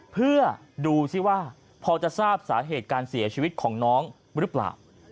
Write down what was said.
เพื่อดูสิว่าพอจะทราบสาเหตุการเสียชีวิตของน้องหรือเปล่า